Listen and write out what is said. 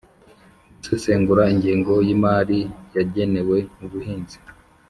gusesengura ingengo y'imari yagenewe ubuhinzi